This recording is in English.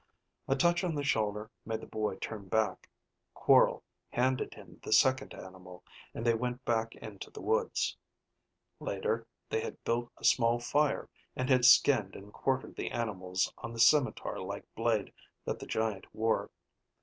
A touch on the shoulder made the boy turn back. Quorl handed him the second animal, and they went back into the woods. Later, they had built a small fire and had skinned and quartered the animals on the scimitar like blade that the giant wore.